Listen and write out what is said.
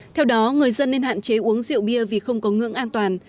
theo đó người dân nên hạn chế uống rượu bia vì không có ngưỡng an toàn